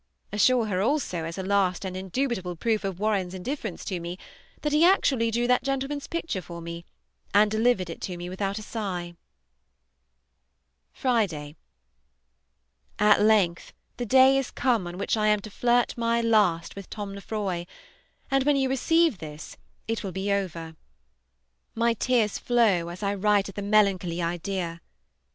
Assure her also, as a last and indubitable proof of Warren's indifference to me, that he actually drew that gentleman's picture for me, and delivered it to me without a sigh. Friday. At length the day is come on which I am to flirt my last with Tom Lefroy, and when you receive this it will be over. My tears flow as I write at the melancholy idea.